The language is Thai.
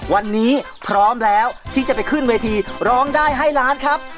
วันนี้พร้อมแล้วที่จะไปขึ้นเวทีร้องได้ให้ล้านครับ